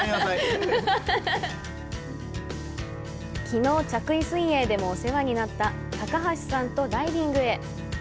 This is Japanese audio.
きのう、着衣水泳でもお世話になった高橋さんとダイビングへ！